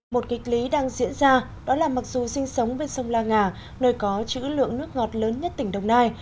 một kịch lý đang diễn ra đó là mặc dù sinh sống bên sông la nga nơi có chữ lượng nước ngọt lớn nhất tỉnh đồng nai